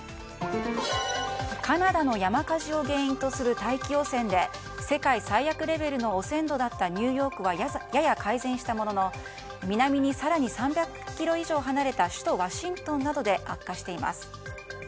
カナダの山火事を原因とする大気汚染で世界最悪レベルの汚染度だったニューヨークはやや改善したものの南に更に３００ｋｍ以上離れた首都ワシントンなどで悪化しています。